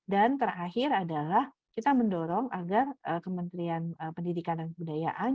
dan terakhir adalah kita mendorong agar kementerian pendidikan dan kebudayaan